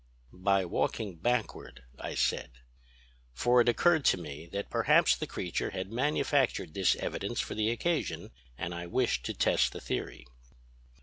"'By walking backward,' I said. For it occurred to me that perhaps the creature had manufactured this evidence for the occasion, and I wished to test the theory."